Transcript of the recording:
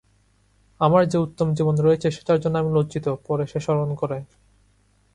আমার যে-উত্তম জীবন রয়েছে, সেটার জন্য আমি লজ্জিত, পরে সে স্মরণ করে।